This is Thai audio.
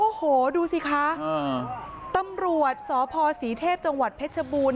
โอ้โหดูสิคะตำรวจสพศรีเทพจังหวัดเพชรบูรณ